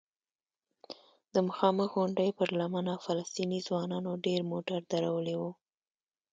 د مخامخ غونډۍ پر لمنه فلسطینی ځوانانو ډېر موټر درولي وو.